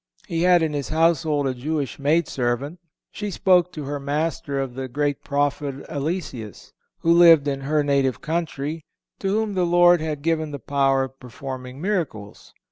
He had in his household a Jewish maid servant. She spoke to her master of the great prophet Eliseus, who lived in her native country, to whom the Lord had given the power of performing miracles.